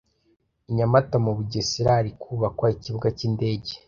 I nyamata mu bugesera hari kubakwa ikibuga k’indege